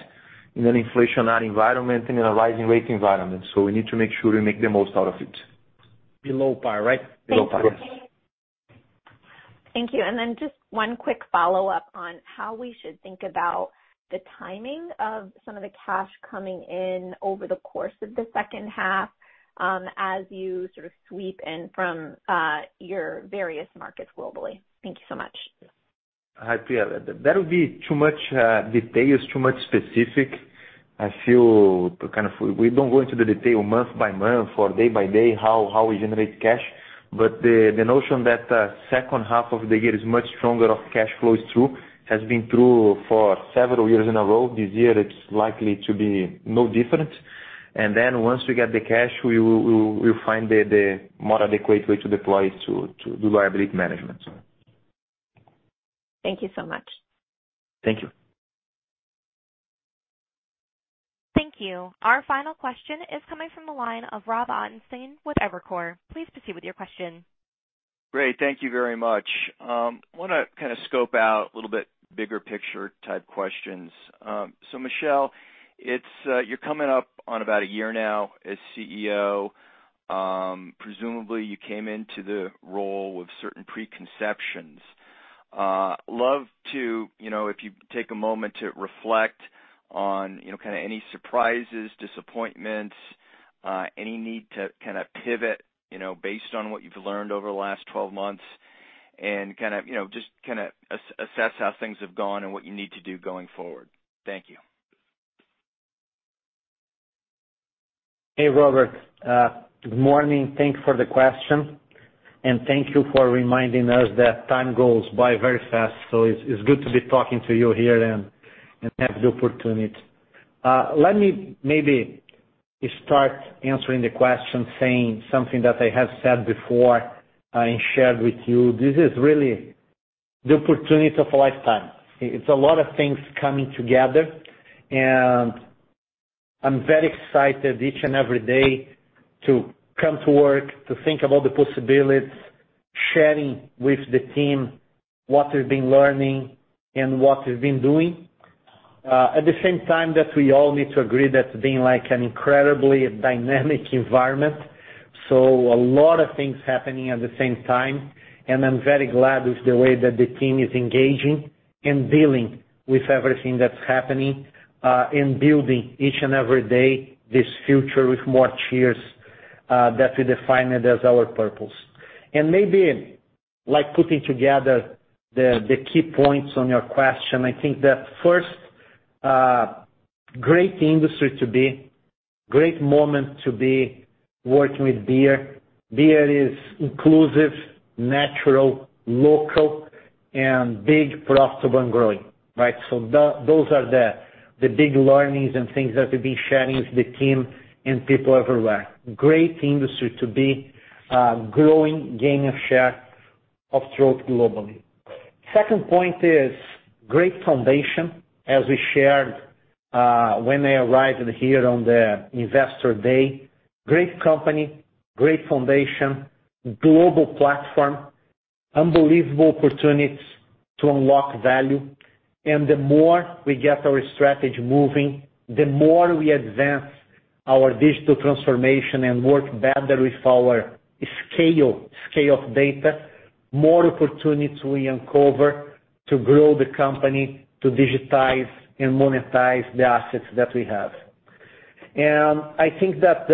in an inflationary environment, in a rising rate environment. We need to make sure we make the most out of it. Below par, right? Below par, yes. Thank you. Just one quick follow-up on how we should think about the timing of some of the cash coming in over the course of the second half, as you sort of sweep in from your various markets globally. Thank you so much. Hi, Priya. That would be too much details, too much specific. We don't go into the detail month by month or day by day how we generate cash. The notion that H2 of the year is much stronger of cash flow is true, has been true for several years in a row. This year it's likely to be no different. Once we get the cash, we'll find the more adequate way to deploy to do liability management. Thank you so much. Thank you. Thank you. Our final question is coming from the line of Robert Ottenstein with Evercore. Please proceed with your question. Great. Thank you very much. Wanna kind of scope out a little bit bigger picture type questions. Michel, it's, you're coming up on about a year now as CEO. Presumably, you came into the role with certain preconceptions. Love to, you know, if you take a moment to reflect on, you know, kinda any surprises, disappointments, any need to kinda pivot, you know, based on what you've learned over the last twelve months and kind of, you know, just kinda assess how things have gone and what you need to do going forward. Thank you. Hey, Robert. Good morning. Thank you for the question. Thank you for reminding us that time goes by very fast. It's good to be talking to you here and have the opportunity. Let me maybe start answering the question saying something that I have said before, and shared with you. This is really the opportunity of a lifetime. It's a lot of things coming together, and I'm very excited each and every day to come to work, to think about the possibilities, sharing with the team what we've been learning and what we've been doing. At the same time that we all need to agree that's been like an incredibly dynamic environment. A lot of things happening at the same time, and I'm very glad with the way that the team is engaging and dealing with everything that's happening, and building each and every day this future with more cheers that we define it as our purpose. Maybe, like, putting together the key points on your question, I think that first, great industry to be, great moment to be working with beer. Beer is inclusive, natural, local, and big profitable and growing, right? Those are the big learnings and things that we've been sharing with the team and people everywhere. Great industry to be, growing, gaining share of throat globally. Second point is great foundation, as we shared, when I arrived here on the Investor Day. Great company, great foundation, global platform, unbelievable opportunities to unlock value. The more we get our strategy moving, the more we advance our digital transformation and work better with our scale of data, more opportunity we uncover to grow the company, to digitize and monetize the assets that we have. I think that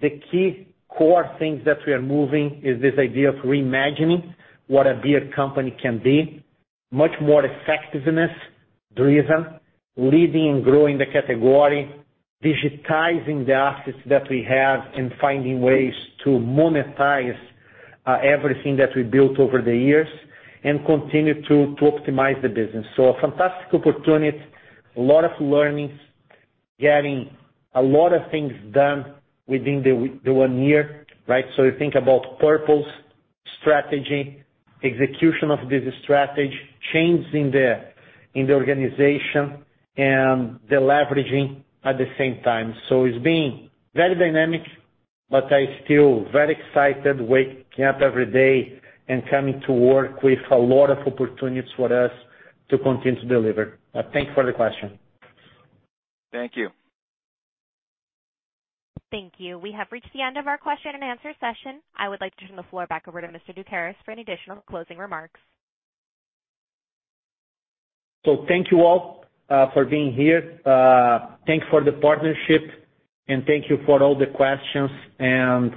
the key core things that we are moving is this idea of reimagining what a beer company can be. Much more effectiveness driven, leading and growing the category, digitizing the assets that we have, and finding ways to monetize everything that we built over the years and continue to optimize the business. A fantastic opportunity, a lot of learnings, getting a lot of things done within the one year, right? You think about purpose, strategy, execution of business strategy, changes in the organization, and deleveraging at the same time. It's been very dynamic, but I still very excited waking up every day and coming to work with a lot of opportunities for us to continue to deliver. Thank you for the question. Thank you. Thank you. We have reached the end of our question and answer session. I would like to turn the floor back over to Mr. Doukeris for any additional closing remarks. Thank you all, for being here. Thank you for the partnership, and thank you for all the questions and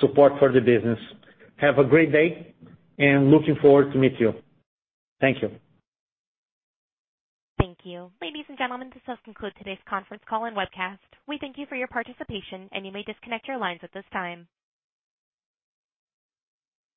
support for the business. Have a great day, and looking forward to meet you. Thank you. Thank you. Ladies and gentlemen, this does conclude today's conference call and webcast. We thank you for your participation, and you may disconnect your lines at this time.